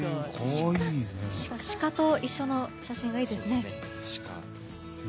シカと一緒の写真がいいですね。